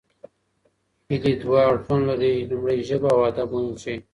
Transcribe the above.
هېلې دوه اړخونه لري: لومړۍ ژبه او ادب مهم شي.